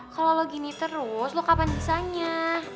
kalau lo gini terus lo kapan bisa nya